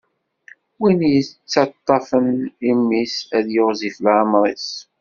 Win yettaṭṭafen imi-s, ad yiɣzif leɛmeṛ-is.